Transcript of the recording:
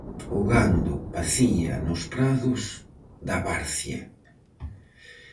O gando pacía nos prados da varcia.